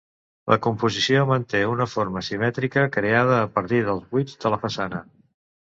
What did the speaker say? La composició manté una forma simètrica creada a partir dels buits de la façana.